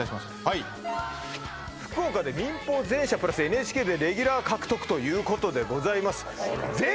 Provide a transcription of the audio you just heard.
はい「福岡で民放全社＋ＮＨＫでレギュラー獲得」ということでございます